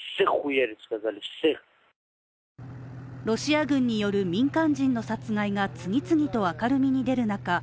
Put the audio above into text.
ロシア軍による民間人の殺害が次々と明るみに出る中